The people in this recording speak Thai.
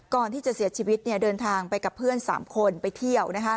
ก่อนที่จะเสียชีวิตเดินทางไปกับเพื่อน๓คนไปเที่ยว